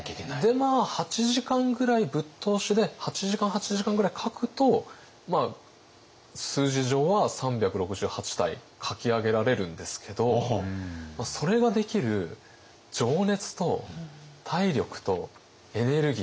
で８時間ぐらいぶっ通しで８時間８時間ぐらい描くと数字上は３６８体描き上げられるんですけどそれができる情熱と体力とエネルギー。